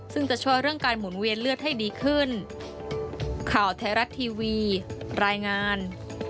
ซึ่งจะช่วยเรื่องการหมุนเวียนเลือดให้ดีขึ้นข่าวไทยรัฐทีวีรายงาน